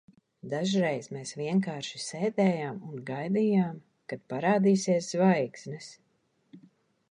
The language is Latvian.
Dažreiz mēs vienkārši sēdējām un gaidījām, kad parādīsies zvaigznes.